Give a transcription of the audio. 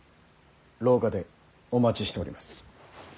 廊下でお待ちしております。